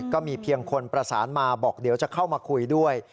ก็มีเพียงคนประสานมาบอกเดี๋ยวจะเข้ามาคุยด้วย